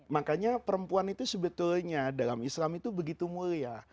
makanya perempuan itu sebetulnya dalam islam itu begitu mulia